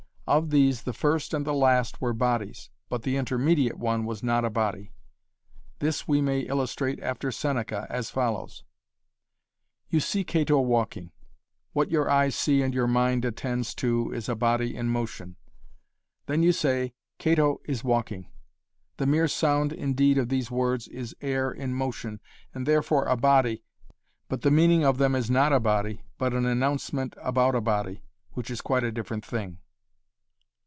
Of these the first and the last were bodies, but the intermediate one was not a body. This we may illustrate after Seneca, as follows: "You see Cato walking. What your eyes see and your mind attends to is a body in motion. Then you say, 'Cato is walking'." The mere sound indeed of these words is air in motion and therefore a body but the meaning of them is not a body but an enouncement about a body, which is quite a different thing.